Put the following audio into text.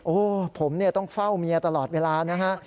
โอ้โหผมต้องเฝ้าเมียตลอดเวลานะฮะ